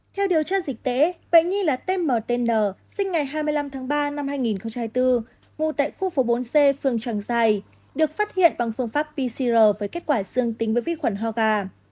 theo điều tra dịch tễ bệnh nhi là tmtn sinh ngày hai mươi năm tháng ba năm hai nghìn bốn ngụ tại khu phố bốn c phường tràng giai được phát hiện bằng phương pháp pcr với kết quả dương tính với vi khuẩn ho gà